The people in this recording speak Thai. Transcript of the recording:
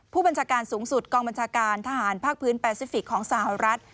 ผู้บัญชาการสูงสุดกองบัญชาการทหารภาคพื้นแปซิฟิกของสหรัฐ